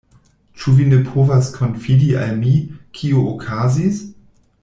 Ĉu vi ne povas konfidi al mi, kio okazis?